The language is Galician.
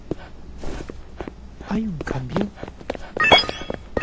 ¿Hai un cambio?